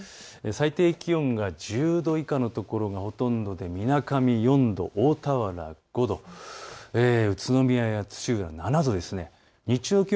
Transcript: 最低気温が１０度以下の所がほとんどでみなかみ４度、大田原５度、宇都宮や土浦７度です。